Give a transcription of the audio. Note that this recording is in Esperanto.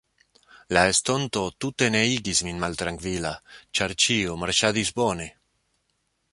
La estonto tute ne igis min maltrankvila, ĉar ĉio marŝadis bone.